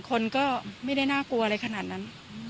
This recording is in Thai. คนก็ไม่ได้น่ากลัวอะไรขนาดนั้น